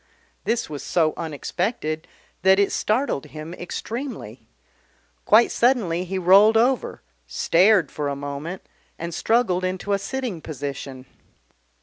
This was so unexpected that it startled him extremely. Quite suddenly he rolled over, stared for a moment, and struggled into a sitting position.